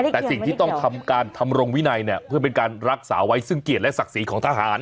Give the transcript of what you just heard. แต่สิ่งที่ต้องทำการทำรงวินัยเนี่ยเพื่อเป็นการรักษาไว้ซึ่งเกียรติและศักดิ์ศรีของทหาร